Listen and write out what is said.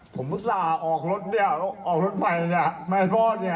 ผมอุตส่าห์ออกรถเนี่ยออกรถใหม่เนี่ยมาให้พ่อเนี่ย